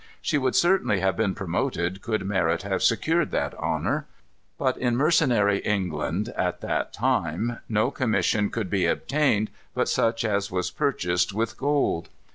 She would certainly have been promoted could merit have secured that honor. But in mercenary England, at that time, no commission could be obtained but such as was purchased with gold.